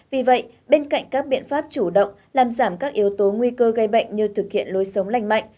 vì vậy bên cạnh các biện pháp chủ động làm giảm các yếu tố nguy cơ gây bệnh như thực hiện lối sống lành mạnh